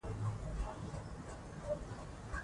ځوانان د آزادۍ لپاره زړه ور دي.